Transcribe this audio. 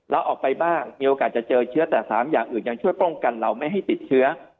เราออกไปบ้างมีโอกาสจะเจอเชื้อแต่๓อย่างอื่นยังช่วยป้องกันเราไม่ให้ติดเชื้อ